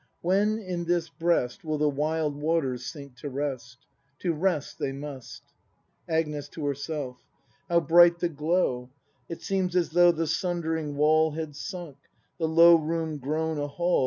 ] When in this breast Will the wild waters sink to rest? To rest they must! Agnes. [To herself] How bright the glow. It seems as though the sundering wall Had sunk; the low room grown a hall.